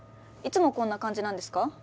いつもこんな感じなんですか？